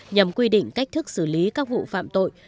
nhằm quy định cách thức xử lý các vụ phạm tội